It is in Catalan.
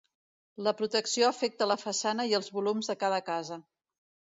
La protecció afecta la façana i els volums de cada casa.